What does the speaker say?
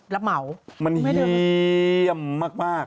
มันเหี้ยมันเยี่ยมมาก